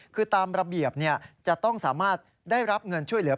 คือตามระเบียบจะต้องสามารถได้รับเงินช่วยเหลือ